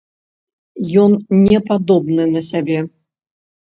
Ён непадобны на сябе.